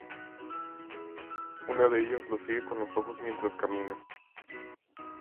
Una de ellas lo sigue con los ojos mientras camina.